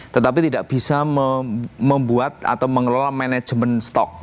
tetapi tidak bisa membuat atau mengelola manajemen stok